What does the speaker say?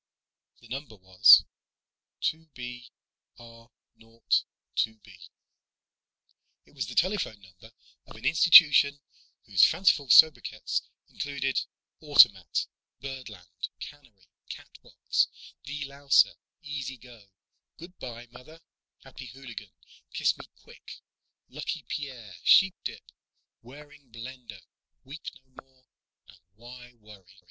The number was: "2 B R 0 2 B." It was the telephone number of an institution whose fanciful sobriquets included: "Automat," "Birdland," "Cannery," "Catbox," "De louser," "Easy go," "Good by, Mother," "Happy Hooligan," "Kiss me quick," "Lucky Pierre," "Sheepdip," "Waring Blendor," "Weep no more" and "Why Worry?"